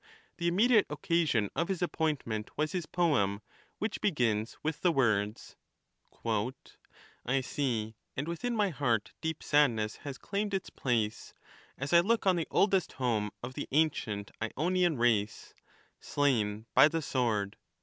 The immediate occasion of his appointment was his poem, which begins with the words, I see, and within my heart deep sadness has claimed its place, As I look on the oldest home of the ancient Ionian race Slain by the sword.